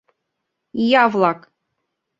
Ия-влак!